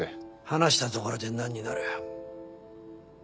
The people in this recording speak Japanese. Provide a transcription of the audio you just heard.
話したところでなんになる？